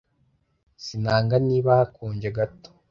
Sinanga niba hakonje gato